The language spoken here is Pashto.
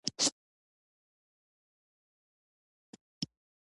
لوېدیځه په تېز رنګ ښودل شوي دي.